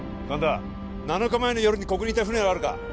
神田７日前の夜にここにいた船はあるか？